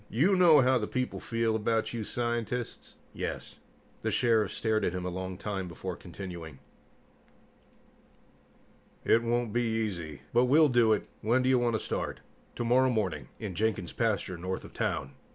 "You know how the people feel about you scientists?" "Yes." The Sheriff stared at him a long time before continuing. "It won't be easy, but we'll do it. When do you want to start?" "Tomorrow morning. In Jenkin's pasture, north of town."